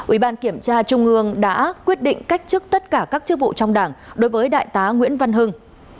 ủy ban kiểm tra trung ương đã quyết định cách chức tất cả các chức vụ trong đảng đối với đại tá nguyễn văn hưng